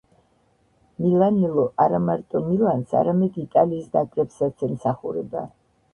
მილანელო არამარტო მილანს, არამედ იტალიის ნაკრებსაც ემსახურება.